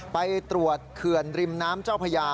ไปตรวจเขื่อนริมน้ำเจ้าพญา